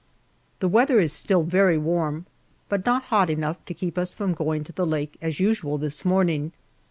THE weather is still very warm, but not hot enough to keep us from going to the lake as usual this morning.